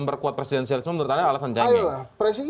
berkuat presidensialisme menurut anda alasan cengeng